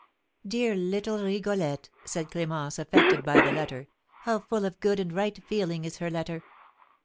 "Dear little Rigolette!" said Clémence, affected by the letter; "how full of good and right feeling is her letter!"